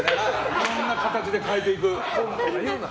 いろんな形で変えていく。